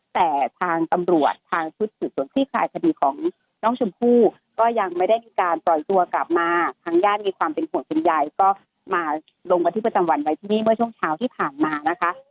แต่ทางตำรวจทางชุดสืบสวนคลี่คลายคดีของน้องชมพู่ก็ยังไม่ได้มีการปล่อยตัวกลับมาทางญาติมีความเป็นห่วงเป็นใยก็มาลงบันทึกประจำวันไว้ที่นี่เมื่อช่วงเช้าที่ผ่านมานะคะ